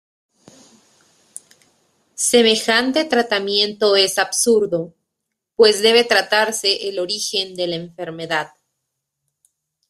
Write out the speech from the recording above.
Semejante tratamiento es absurdo pues debe tratarse el origen de la enfermedad.